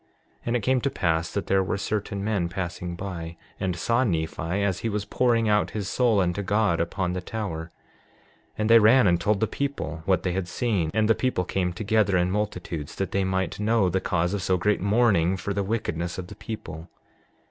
7:11 And it came to pass that there were certain men passing by and saw Nephi as he was pouring out his soul unto God upon the tower; and they ran and told the people what they had seen, and the people came together in multitudes that they might know the cause of so great mourning for the wickedness of the people.